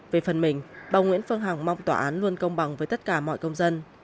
về phần mình bà nguyễn phương hằng mong tòa án luôn công bằng với tất cả mọi công dân